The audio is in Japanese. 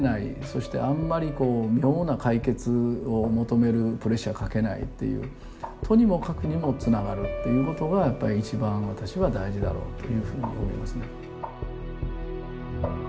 そしてあんまりこう妙な解決を求めるプレッシャーかけないっていうとにもかくにもつながるっていうことがやっぱり一番私は大事だろうというふうに思いますね。